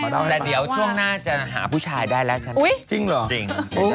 แต่เดี๋ยวช่วงหน้าจะหาผู้ชายได้แล้วใช่ไหมครับจริงอุ๊ยจริง